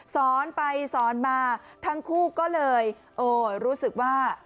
สอนไปสอนมาทั้งคู่ก็เลยโอ้รู้สึกว่า